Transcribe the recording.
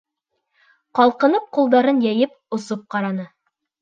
Ҡалҡынып ҡулдарын йәйеп «осоп» ҡараны.